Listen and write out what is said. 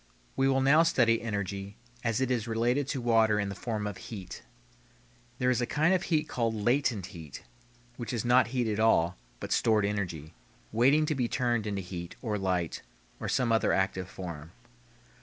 We will now study energy as it is related to water in the form of heat. There is a kind of heat called "latent heat," which is not heat at all, but stored energy, waiting to be turned into heat, or light, or some other active form.